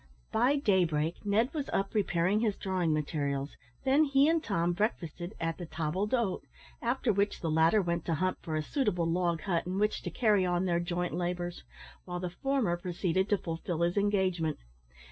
By daybreak Ned was up preparing his drawing materials; then he and Tom breakfasted at the table d'hote, after which the latter went to hunt for a suitable log hut, in which to carry on their joint labours, while the former proceeded to fulfil his engagement.